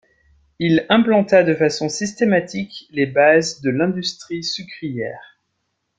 Il implanta de façon systématique les bases de l'industrie sucrière.